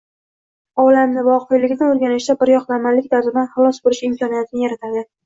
olamni – voqelikni o‘rganishda biryoqlamalik dardidan xalos bo‘lish imkoniyatini yaratadi.